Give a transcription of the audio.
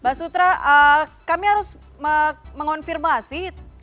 mbak sutra kami harus mengonfirmasi